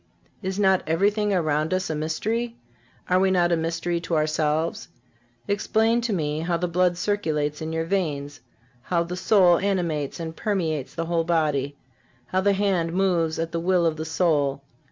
Is not everything around us a mystery? Are we not a mystery to ourselves? Explain to me how the blood circulates in your veins, how the soul animates and permeates the whole body, how the hand moves at the will of the soul.